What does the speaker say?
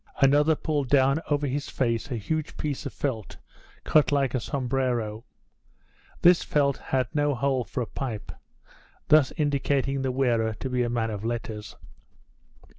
Another pulled down over his face a huge piece of felt, cut like a sombrero; this felt had no hole for a pipe, thus indicating the wearer to be a man of letters.